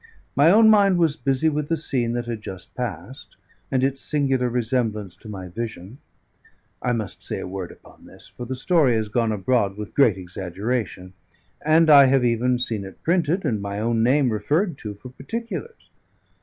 My own mind was busy with the scene that had just passed, and its singular resemblance to my vision. I must say a word upon this, for the story has gone abroad with great exaggeration, and I have even seen it printed, and my own name referred to for particulars.